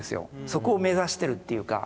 そこを目指してるっていうか。